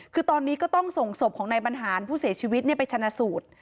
คือตอนนี้ก็ต้องส่งศพของนายบรรหารผู้เสียชีวิตไปชนะสูตร